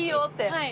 はい。